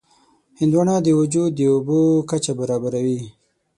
هندوانه د وجود د اوبو کچه برابروي.